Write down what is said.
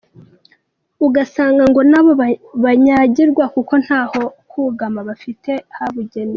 Ugasanga ngo nabo banyagirwa kuko ntaho kugama bafite habugenewe.